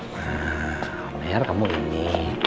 nah om mer kamu ini